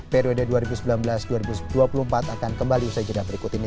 periode dua ribu sembilan belas dua ribu dua puluh empat akan kembali usai jeda berikut ini